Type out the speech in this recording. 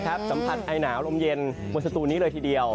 สัมผัสไอหนาวลมเย็นบนสตูนนี้เลยทีเดียว